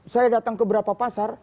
saya datang ke beberapa pasar